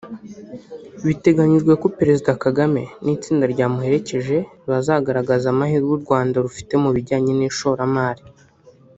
Biteganyijwe ko Perezida Kagame n’itsinda ryamuherekeje bazagaragaza amahirwe u Rwanda rufite mu bijyanye n’ishoramari